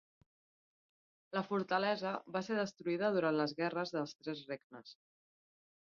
La fortalesa va ser destruïda durant les Guerres dels Tres Regnes.